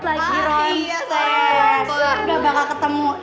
iya saya gak bakal ketemu